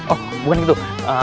oh bukan itu